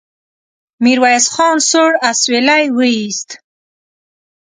ميرويس خان سوړ اسويلی وايست.